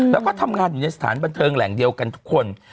แล้วก็ทำงานอยู่ในสถานบันเทิงแหล่งเดียวกันทุกคน